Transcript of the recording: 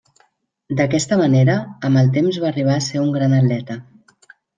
D'aquesta manera, amb el temps va arribar a ser un gran atleta.